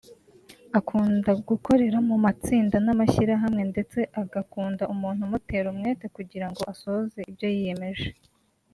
Akunda gukorera mu matsinda n’amashyirahamwe ndetse agakunda umuntu umutera umwete kugira ngo asohoze ibyo yiyemeje